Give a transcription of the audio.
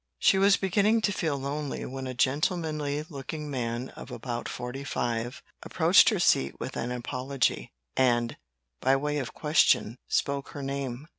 She was beginning to feel lonely when a gentlemanly looking man of about forty five approached her seat with an apology, and, by way of question, spoke her name.